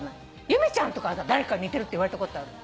由美ちゃんは誰かに似てるって言われたことある？